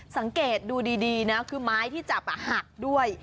สังเกตดูดีนะคือไม้ที่จับหักด้วย